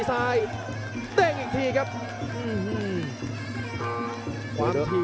โอ้โหไม่พลาดกับธนาคมโด้แดงเขาสร้างแบบนี้